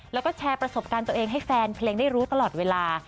แล้วก็แชร์ประสบการณ์ตัวเองให้แฟนเพลงได้รู้ตลอดเวลา